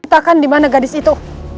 kita kan dimana gadis itu